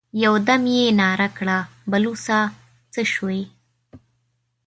يودم يې ناره کړه: بلوڅه! څه شوې؟